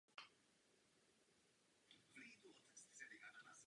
Jaké byly hlavní závěry?